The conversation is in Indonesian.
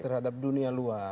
terhadap dunia luar